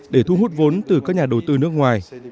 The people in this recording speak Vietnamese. để thu hút vốn từ các nhà đầu tư nước ngoài